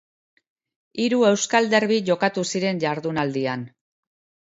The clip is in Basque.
Hiru euskal derbi jokatu ziren jardunaldian.